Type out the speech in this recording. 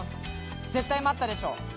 絶対待ったでしょ？